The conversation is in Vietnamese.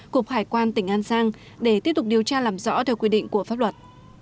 cục hải quan tỉnh an giang để tiếp tục điều tra làm rõ theo quy định của pháp luật